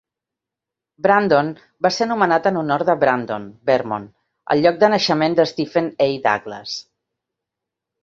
Brandon va ser nomenat en honor de Brandon, Vermont, el lloc de naixement de Stephen A. Douglas.